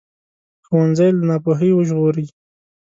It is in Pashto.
ښوونځی له ناپوهۍ وژغوري